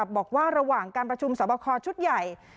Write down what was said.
บอกว่าระหว่างการประชุมสอบคอชุดใหญ่